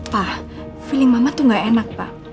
pak feeling mama tuh gak enak pak